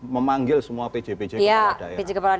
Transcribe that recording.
memanggil semua pj pj kepala daerah